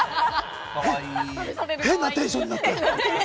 変なテンションになってる。